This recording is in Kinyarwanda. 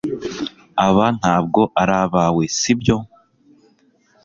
aba ntabwo ari abawe, si byo